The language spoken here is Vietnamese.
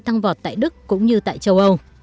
tăng vọt tại đức cũng như tại châu âu